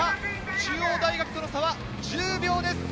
中央大学との差は１０秒です。